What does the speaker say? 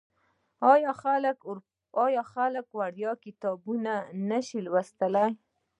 آیا خلک وړیا کتابونه نشي لوستلی؟